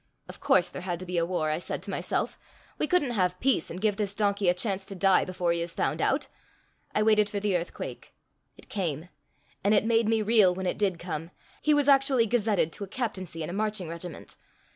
Of course there had to be a war, I said to myself: we couldn't have peace and give this donkey a chance to die before he is found out. I waited for the earthquake. It came. And it made me reel when it did come. He was actually gazetted to a captaincy in a marching regiment!